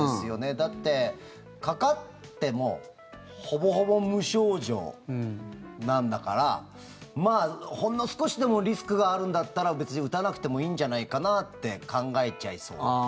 だって、かかってもほぼほぼ無症状なんだからほんの少しでもリスクがあるんだったら別に打たなくてもいいんじゃないかなって考えちゃいそうっていう。